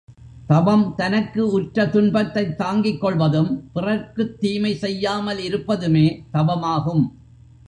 தவம் தனக்கு உற்ற துன்பத்தைத் தாங்கிக்கொள்வதும், பிறர்க்குத் தீமை செய்யாமல் இருப்பதுமே தவமாகும்.